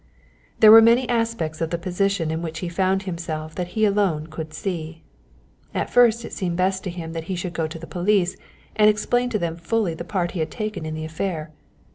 There were many aspects of the position in which he found himself that he alone could see. At first it seemed best to him that he should go to the police and explain to them fully the part he had taken in the affair.